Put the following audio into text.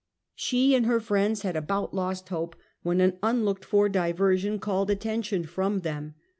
She and her friends had about lost hope, when an unlooked for diversion called attention from them.